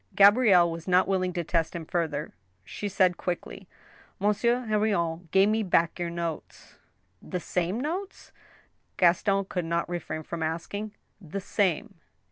Gabrielle was not willing to test him further ; she said quickly :" Monsieur Henrion gave me back your notes." " The same notes ?" Gaston could not refrain from asking. " The same."